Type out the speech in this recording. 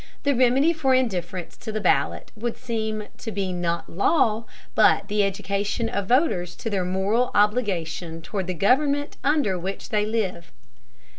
The remedy for indifference to the ballot would seem to be not law, but the education of voters to their moral obligation toward the government under which they live.